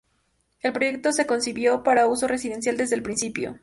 El proyecto se concibió para uso residencial desde el principio.